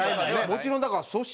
もちろんだから粗品。